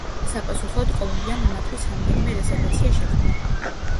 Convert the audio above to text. საპასუხოდ, კოლუმბიამ მათთვის რამდენიმე რეზერვაცია შექმნა.